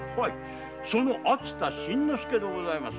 その秋田伸之介でございます。